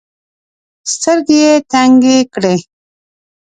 سترګي یې تنګي کړې .